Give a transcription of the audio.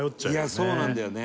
そうなんだよね。